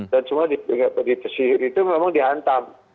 dan cuma di pesiri itu memang dihantam